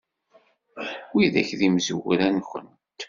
Widak d imezrawen-nwent?